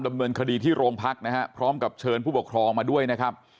ดำเนินคดีที่โรงพักนะฮะพร้อมกับเชิญผู้ปกครองมาด้วยนะครับ